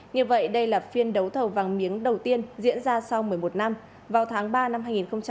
như vậy đây là phiên đấu thầu vàng miếng đầu tiên diễn ra sau một mươi một năm vào tháng ba năm hai nghìn hai mươi